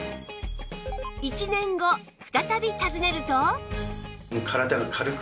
１年後再び訪ねると